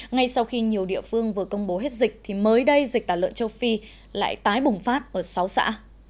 ngay sau khi nhiều địa phương vừa công bố hết dịch thì mới đây dịch tả lợn châu phi lại tái bùng phát ở sáu xã